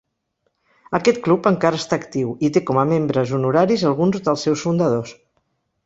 Aquest club encara està actiu, i té com a membres honoraris alguns dels seus fundadors.